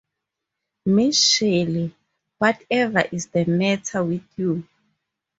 Miss Shirley, whatever is the matter with you?